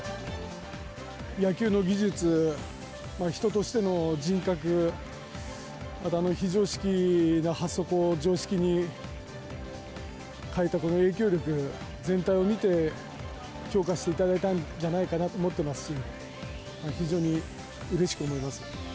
野球の技術、人としての人格、また非常識な発想を常識に変えたこの影響力、全体を見て、評価していただいたんじゃないかなと思ってますし、非常にうれしく思います。